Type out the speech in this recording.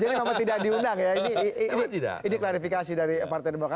jadi kalau tidak diundang ya ini klarifikasi dari partai demokra